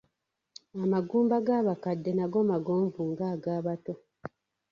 Amagumba g'abakadde nago magonvu nga agabato.